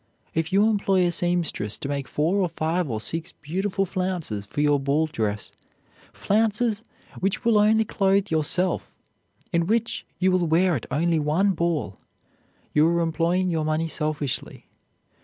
If you employ a seamstress to make four or five or six beautiful flounces for your ball dress, flounces which will only clothe yourself, and which you will wear at only one ball, you are employing your money selfishly.